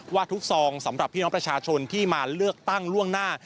ว่าทุกซองสำหรับพี่น้องประชาชนที่มาเลือกตั้งล่วงหน้า